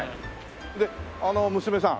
であの娘さん？